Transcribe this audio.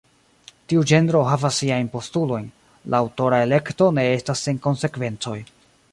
Tiu ĝenro havas siajn postulojn: la aŭtora elekto ne estas sen konsekvencoj.